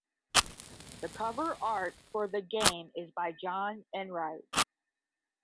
The cover art for the game is by John Enright.